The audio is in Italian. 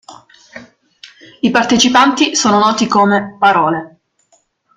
I partecipanti sono noti come "parole".